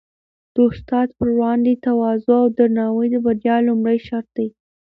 د استاد په وړاندې تواضع او درناوی د بریا لومړی شرط دی.